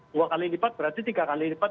dua kali lipat berarti tiga kali lipat